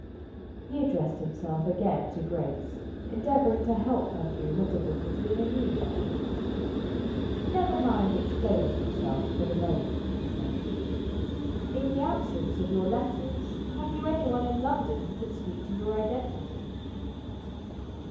He addressed himself again to Grace, endeavoring to help her through her difficulty in a new way. "Never mind explaining yourself for the moment," he said. "In the absence of your letters, have you any one in London who can speak to your identity?"